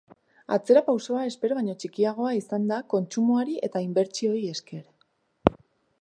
Atzerapausoa espero baino txikiagoa izan da kontsumoari eta inbertsioei esker.